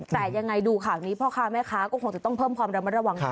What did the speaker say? แต่ยังไงดูข่าวนี้พ่อค้าแม่ค้าก็คงจะต้องเพิ่มความระมัดระวัง